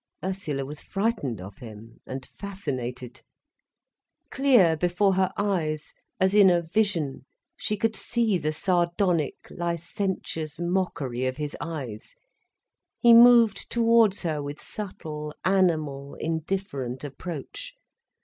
Ursula was frightened of him, and fascinated. Clear, before her eyes, as in a vision, she could see the sardonic, licentious mockery of his eyes, he moved towards her with subtle, animal, indifferent approach.